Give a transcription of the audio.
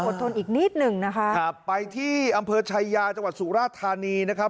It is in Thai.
ทนอีกนิดหนึ่งนะคะครับไปที่อำเภอชายาจังหวัดสุราธานีนะครับ